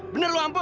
bener lu ampun